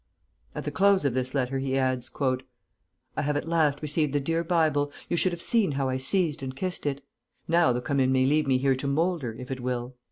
At the close of this letter he adds, "I have at last received the dear Bible. You should have seen how I seized and kissed it! Now the Commune may leave me here to moulder, if it will!"